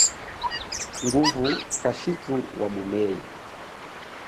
Nguvu kashithu wa mumeya.